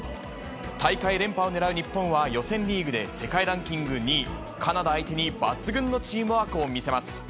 大会連覇をねらう日本は、予選リーグで世界ランキング２位、カナダ相手に抜群のチームワークを見せます。